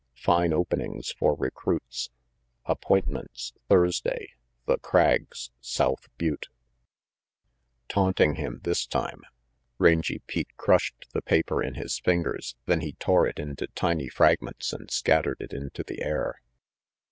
Fine Openings for Recruits. Appointments, Thursdays, The Crags, South Butte. 278 RANGY PETE Taunting him, this time! Rangy Pete crushed the paper in his fingers; then he tore it into tiny fragments and scattered it into the air.